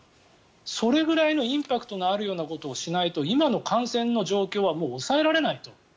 それぐらいのインパクトのあるようなことをしないと今の感染の状況はもう抑えられないと。